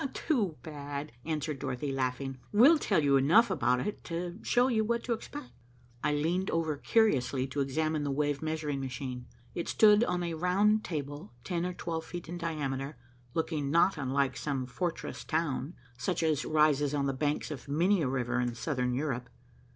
"Too bad," answered Dorothy, laughing. "We'll tell you enough about it to show you what to expect." I leaned over curiously to examine the wave measuring machine. It stood on a round table ten or twelve feet in diameter looking not unlike some fortressed town, such as rises on the banks of many a river in southern Europe.